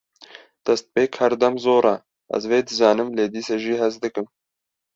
Destpêk herdem zor e, ez vê dizanim lê dîsa jî hez dikim